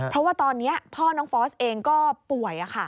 เพราะว่าตอนนี้พ่อน้องฟอสเองก็ป่วย